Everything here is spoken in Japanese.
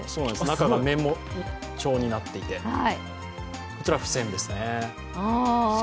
中がメモ帳になっていて、こちら、付箋ですね。